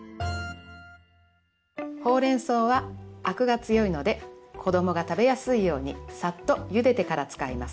ほうれんそうはアクが強いので子どもが食べやすいようにさっとゆでてから使います。